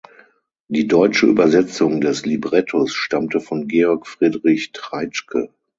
Die deutsche Übersetzung des Librettos stammte von Georg Friedrich Treitschke.